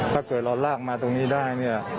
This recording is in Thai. ถ้าเกิดเราลากมาตรงนี้ได้เนี่ย